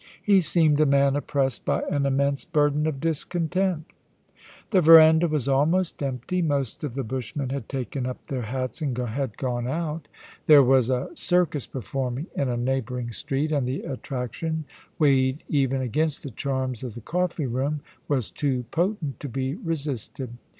He seemed a man oppressed by an immense burden of discontent The verandah was almost empty. Most of the bushmen had taken up their hats and had gone out. There was a circus performing in a neighbouring street, and the attrac tion, weighed even against the charms of the coffee room, was too potent to be resisted.